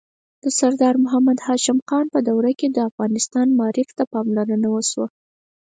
د سردار محمد هاشم خان په دوره کې د افغانستان معارف ته پاملرنه وشوه.